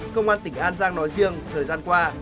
công an tỉnh an giang nói riêng thời gian qua